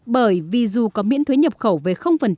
bởi vì dù có miễn thuế nhập khẩu về